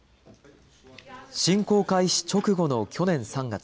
侵攻開始直後の去年３月。